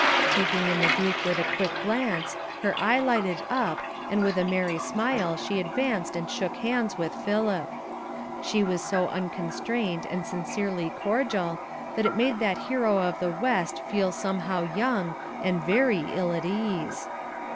Taking in the group with a quick glance, her eye lighted up, and with a merry smile she advanced and shook hands with Philip. She was so unconstrained and sincerely cordial, that it made that hero of the west feel somehow young, and very ill at ease.